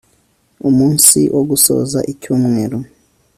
umunsi wo gusoza icyumweru